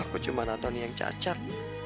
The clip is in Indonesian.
aku cuma nonton yang cacat